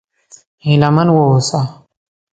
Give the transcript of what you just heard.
هيله من و اوسه!